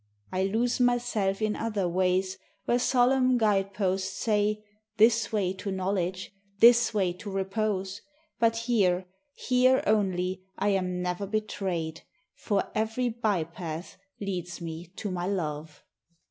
I lose myself In other ways where solemn guide posts say, This way to Knowledge, This way to Repose, But here, here only, I am ne'er betrayed, For every by path leads me to my love.